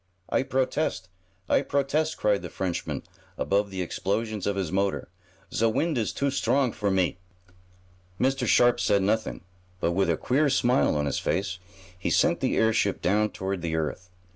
"I protest! I protest!" cried the Frenchman, above the explosions of his motor. "Ze wind is too strong for me!" Mr. Sharp said nothing, but, with a queer smile on his face he sent the airship down toward the earth.